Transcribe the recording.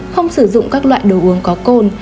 không sử dụng các loại đồ uống có cồn